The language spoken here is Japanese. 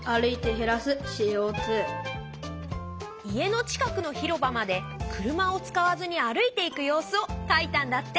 家の近くの広場まで車を使わずに歩いていく様子を描いたんだって。